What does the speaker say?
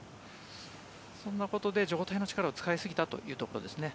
そんなことで上体の力を使いすぎたということですね。